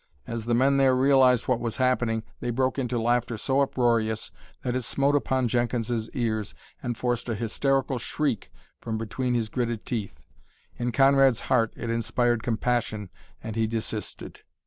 As the men there realized what was happening they broke into laughter so uproarious that it smote upon Jenkins's ears and forced a hysterical shriek from between his gritted teeth. In Conrad's heart it inspired compassion and he desisted.